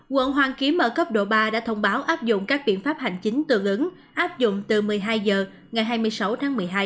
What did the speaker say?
quận hoàn kiếm ở cấp độ ba đã thông báo áp dụng các biện pháp hành chính tương ứng áp dụng từ một mươi hai h ngày hai mươi sáu tháng một mươi hai